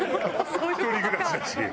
１人暮らしだし。